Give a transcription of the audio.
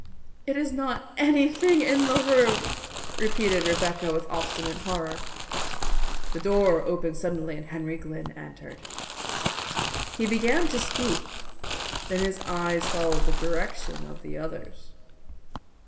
"It is not anything in the room," repeated Rebecca with obstinate horror. The door opened suddenly and Henry Glynn entered. He began to speak, then his eyes followed the direction of the others'.